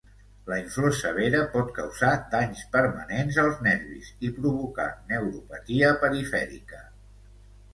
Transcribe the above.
La inflor severa pot causar danys permanents als nervis i provocar neuropatia perifèrica.